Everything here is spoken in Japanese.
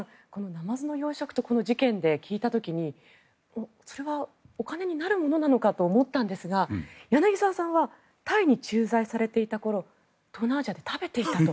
ナマズの養殖ってこの事件で聞いた時にそれはお金になるものなのかと思ったんですが柳澤さんはタイに駐在されていた頃東南アジアで食べていたと。